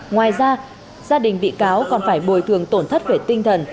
ngoài ra gia đình bị cáo còn phải bồi thường tổn thất về tinh thần